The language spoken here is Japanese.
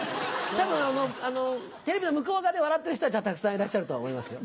多分テレビの向こう側で笑ってる人たちはたくさんいらっしゃるとは思いますよ。